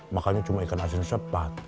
makanya cuma ikan asin sepat